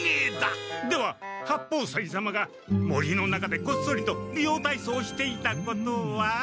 では八方斎様が森の中でこっそりとびようたいそうしていたことは？